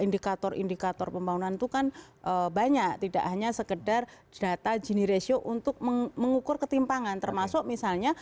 di belakangnya bagaimana kemudian